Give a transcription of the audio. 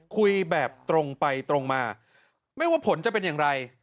คุยแบบตรงไปตรงมาไม่ว่าผลจะเป็นอย่างไร